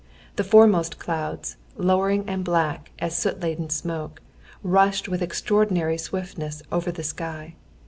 The foremost clouds, lowering and black as soot laden smoke, rushed with extraordinary swiftness over the sky.